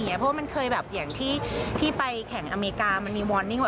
เพราะว่ามันเคยแบบอย่างที่ไปแข่งอเมริกามันมีวอนนิ่งว่า